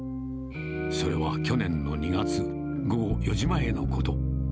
それは去年の２月、午後４時前のこと。